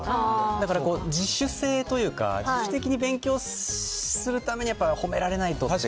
だから自主性というか、自主的に勉強するために、やっぱ褒められないとって。